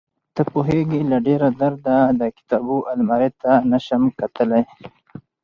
ته پوهېږې له ډېره درده د کتابو المارۍ ته نشم کتلى.